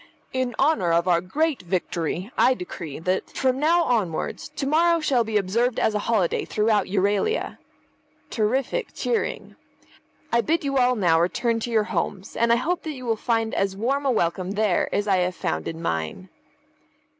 In honour of our great victory I decree that, from now onwards, to morrow shall be observed as a holiday throughout Euralia (terrific cheering). I bid you all now return to your homes, and I hope that you will find as warm a welcome there as I have found in mine."